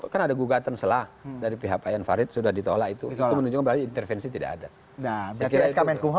kan ada gugatan selah dari pihak ayan farid sudah ditolak itu itu menunjukkan berarti intervensi tidak ada